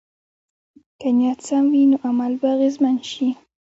که نیت سم وي، نو عمل به اغېزمن شي.